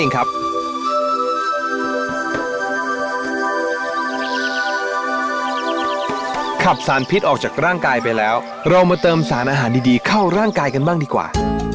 ขับสารพิษออกจากร่างกายไปแล้วเรามาเติมสารอาหารดีเข้าร่างกายกันบ้างดีกว่า